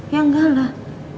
ya enggak lah